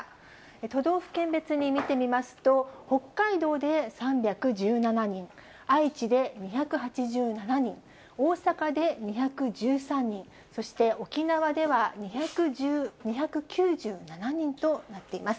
都道府県別に見てみますと、北海道で３１７人、愛知で２８７人、大阪で２１３人、そして沖縄では２９７人となっています。